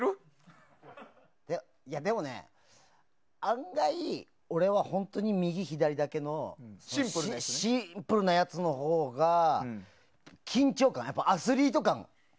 でもね、案外俺は本当に右、左だけのシンプルなやつのほうが緊張感アスリート感。